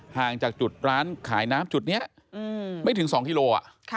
ห่างจากจุดร้านขายน้ำจุดนี้ไม่ถึง๒กิโล